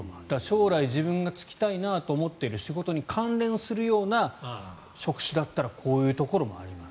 将来、自分が就きたいなと思ってる仕事に関連するような職種だったらこういうところもあります。